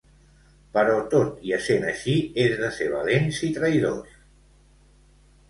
Però tot i essent així és de ser valents i traïdors.